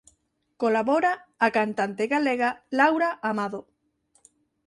Colabora a cantante galega Laura Amado.